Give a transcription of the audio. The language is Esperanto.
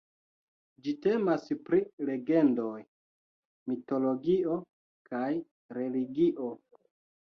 Ĝi temas pri legendoj, mitologio kaj religio.